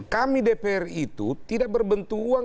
kami dpr itu tidak berbentuan